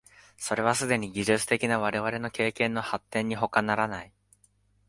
それはすでに技術的な我々の経験の発展にほかならない。